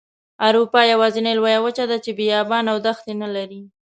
اروپا یوازینۍ لویه وچه ده چې بیابانه او دښتې نلري.